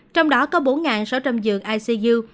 trong đó có bốn sáu trăm linh giường icu